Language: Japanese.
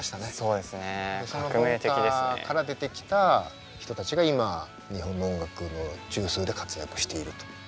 その文化から出てきた人たちが今日本の音楽の中枢で活躍していると。